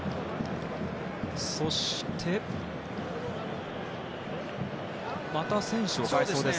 そしてまた選手を代えそうです。